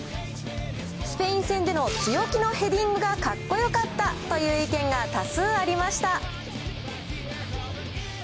スペイン戦での強気のヘディングがかっこよかったという意見が多数ありました。